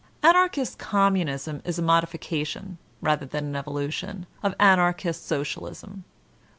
Anarchist Communism is a modification, rather an evolution, of Anarchist Socialism.